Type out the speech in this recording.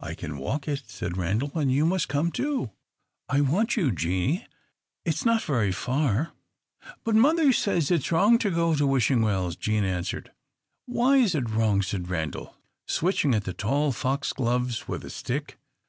"I can walk it," said Randal, "and you must come, too; I want you, Jeanie. It 's not so very far." "But mother says it is wrong to go to Wishing Wells," Jean answered. "Why is it wrong?" said Randal, switching at the tall foxgloves with a stick.